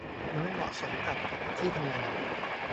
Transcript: มันไม่เหมาะสมกับที่ทำงาน